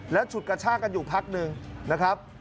แล้วฉุดกระชากันอยู่พักหนึ่งนะครับ